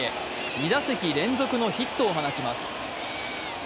２打席連続のヒットを放ちます。